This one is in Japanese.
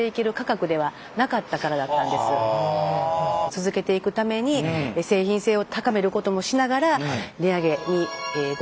続けていくために製品性を高めることもしながら値上げにご協力をいただきました。